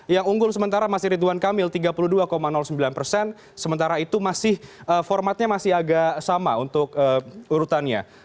yang unggul sementara masih ridwan kamil tiga puluh dua sembilan persen sementara itu masih formatnya masih agak sama untuk urutannya